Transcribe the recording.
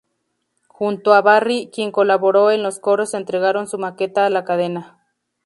Junto a Barri, quien colaboró en los coros entregaron su maqueta a la cadena.